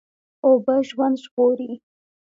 اوبه ژوند ژغوري.